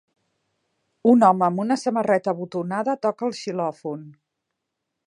Un home amb una samarreta botonada toca el xilòfon